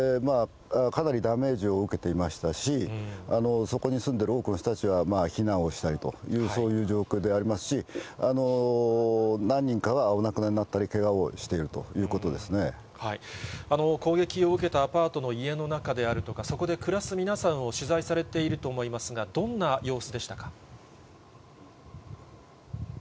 かなりダメージを受けていましたし、そこに住んでいる多くの人たちは避難をしたりと、そういう状況でありますし、何人かがお亡くなりになったり、けがをしているとい攻撃を受けたアパートの家の中であるとか、そこで暮らす皆さんを取材されていると思いますが、どんな様子でしたか。